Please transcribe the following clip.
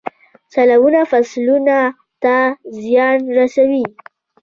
سیلابونه فصلونو ته زیان رسوي.